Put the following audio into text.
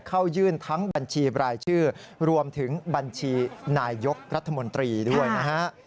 เข้ายื่นทั้งบัญชีบรายชื่อรวมถึงบัญชีนายยกรัฐมนตรีด้วยนะฮะ